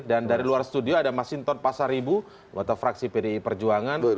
dan dari luar studio ada masinton pasaribu wata fraksi pdi perjuangan